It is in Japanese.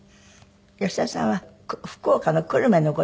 吉田さんは福岡の久留米のご出身。